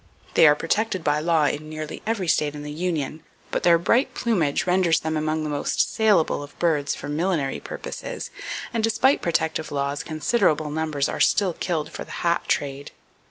They are protected by law in nearly every state in the Union, but their bright plumage renders them among the most salable of birds for millinery purposes, and despite protective laws, considerable numbers are still killed for the hat trade.